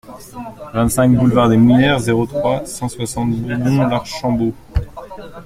vingt-cinq boulevard des Mouillères, zéro trois, cent soixante Bourbon-l'Archambault